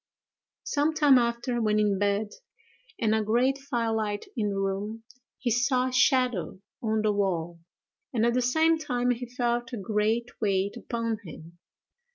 Some time after, when in bed, and a great fire light in the room, he saw a shadow on the wall, and at the same time he felt a great weight upon him.